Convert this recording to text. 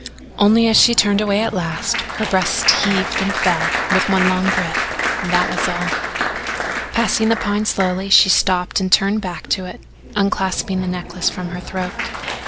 Only as she turned away at last her breast heaved and fell with one long breath that was all. Passing the Pine slowly, she stopped and turned back to it, unclasping the necklace from her throat.